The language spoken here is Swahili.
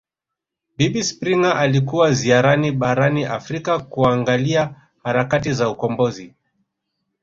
Bibi Springer alikuwa ziarani barani Afrika kuangalia harakati za ukombozi